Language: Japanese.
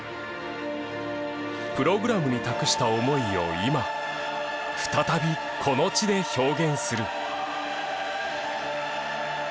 プログラムに託した思いを今再びこの地で表現する。